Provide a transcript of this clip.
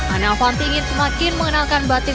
ana avanti ingin semakin mengenalkan batik